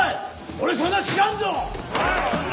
俺そんなの知らんぞ！